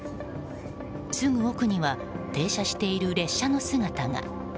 すぐ奥には停車している列車の姿が。